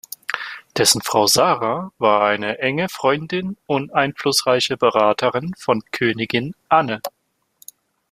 Dessen Frau Sarah war eine enge Freundin und einflussreiche Beraterin von Königin Anne.